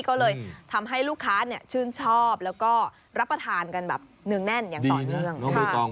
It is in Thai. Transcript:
ก็เลยทำให้ลูกค้าชื่นชอบแล้วก็รับประทานกันแบบเนื่องแน่นอย่างต่อเนื่อง